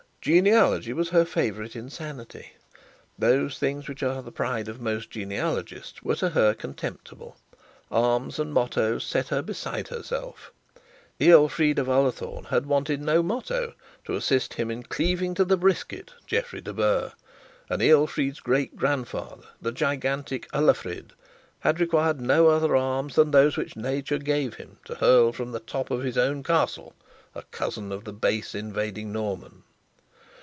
Genealogy was her favourite insanity. Those things which are the pride of most genealogists were to her contemptible. Arms and mottoes set her beside herself. Ealfried of Ullathorne had wanted no motto to assist him in cleaving to the brisket Geoffrey De Burgh; and Ealfried's great grandfather, the gigantic Ullafrid, had required no other arms than those which nature gave him to hurl from the top of his own castle a cousin of the base invading Norman.